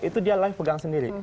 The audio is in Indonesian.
itu dia lain pegang sendiri